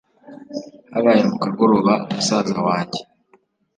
habaye mukagoroba musaza wanjye